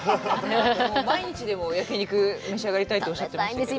毎日でも焼き肉、召し上がりたいっておっしゃってましたね。